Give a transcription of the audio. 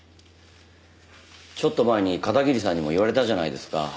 ちょっと前に片桐さんにも言われたじゃないですか。